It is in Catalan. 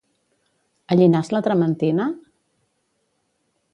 A Llinars la trementina?